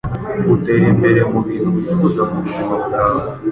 utera imbere mubintu wifuza mubuzima bwawe